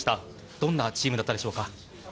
どんなチームだったでしょうか？